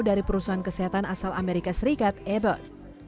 dari perusahaan kesehatan asal amerika serikat ebert